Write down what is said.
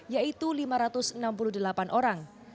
yaitu lima ratus enam puluh delapan orang